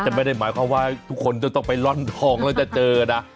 ไม่ได้หมายความว่าทุกคนจะต้องไปร่อนทองแล้วจะเจอนะ